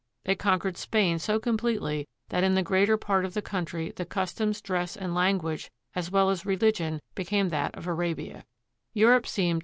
They conquered Spain so completely that in the greater part of the country the customs, dress, and language i as well as religion became that of Arabia. Europe seemed!